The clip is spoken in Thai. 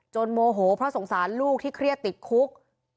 โมโหเพราะสงสารลูกที่เครียดติดคุก